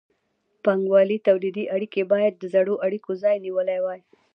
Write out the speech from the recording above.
بانګوالي تولیدي اړیکې باید د زړو اړیکو ځای نیولی وای.